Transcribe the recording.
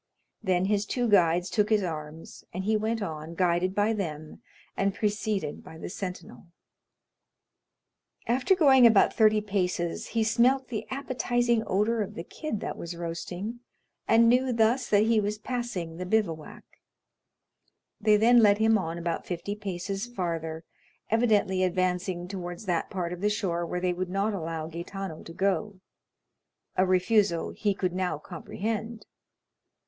Then his two guides took his arms, and he went on, guided by them, and preceded by the sentinel. After going about thirty paces, he smelt the appetizing odor of the kid that was roasting, and knew thus that he was passing the bivouac; they then led him on about fifty paces farther, evidently advancing towards that part of the shore where they would not allow Gaetano to go—a refusal he could now comprehend.